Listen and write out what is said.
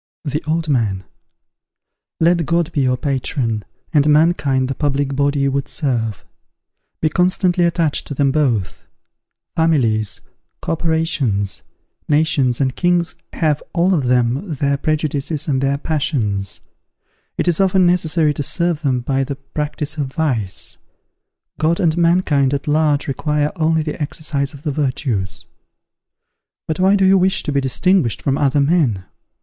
The Old Man. Let God be your patron, and mankind the public body you would serve. Be constantly attached to them both. Families, corporations, nations and kings have, all of them, their prejudices and their passions; it is often necessary to serve them by the practice of vice: God and mankind at large require only the exercise of the virtues. But why do you wish to be distinguished from other men?